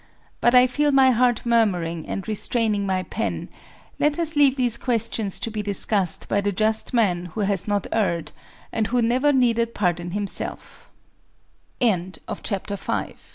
But 1 feel my heart murmuring and restraining my pen; let us leave these questions to be discussed by the just man who has not erred, and who never nee